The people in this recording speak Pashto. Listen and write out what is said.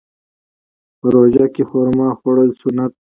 په روژه کې خرما خوړل سنت دي.